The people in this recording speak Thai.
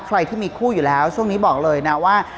ใครที่มีคู่อยู่แล้วช่วงนี้บอกเลยนะว่า